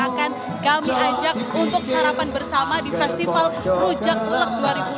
akan kami ajak untuk sarapan bersama di festival rujak elek dua ribu dua puluh